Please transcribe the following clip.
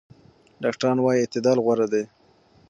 ډاکټران وايي اعتدال غوره دی.